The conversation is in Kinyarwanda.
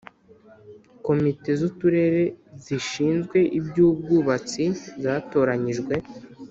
komite zuturere zishinzwe ibyubwubatsi zatoranyijwe